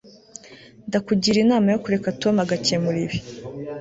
ndakugira inama yo kureka tom agakemura ibi